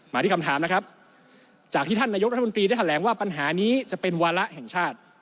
ที่คำถามนะครับจากที่ท่านนายกรัฐมนตรีได้แถลงว่าปัญหานี้จะเป็นวาระแห่งชาติ